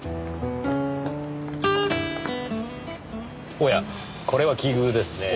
おやこれは奇遇ですねぇ。